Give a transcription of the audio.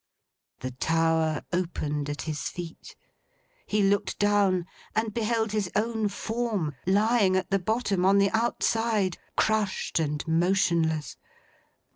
The tower opened at his feet. He looked down, and beheld his own form, lying at the bottom, on the outside: crushed and motionless.